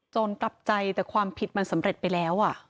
กลับใจแต่ความผิดมันสำเร็จไปแล้ว